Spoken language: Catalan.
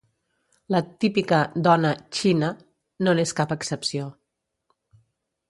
La "típica" dona "china" no n'és cap excepció.